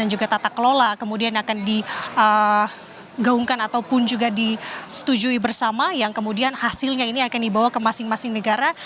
dan juga tata kelola kemudian akan digaungkan ataupun juga disetujui bersama yang kemudian hasilnya ini akan dibawa ke masing masing negara